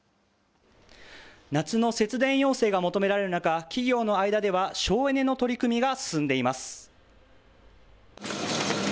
夏の節電要請が求められる中、企業の間では、省エネの取り組みが進んでいます。